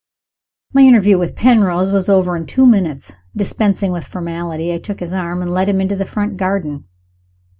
My interview with Penrose was over in two minutes. Dispensing with formality, I took his arm, and led him into the front garden.